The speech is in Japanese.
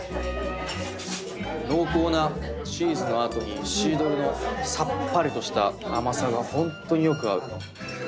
濃厚なチーズのあとにシードルのさっぱりとした甘さがホントによく合う。